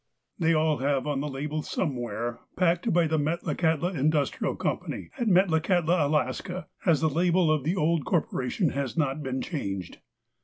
They have all on the label somewhere :'' Packed by the Metlakahtla Industrial Co., at Metlakahtla, Alaska," as the label of the old corporation has not been changed.